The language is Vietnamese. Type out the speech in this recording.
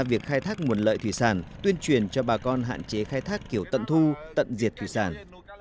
việc khai thác nguồn lợi thủy sản tuyên truyền cho bà con hạn chế khai thác kiểu tận thu tận diệt thủy sản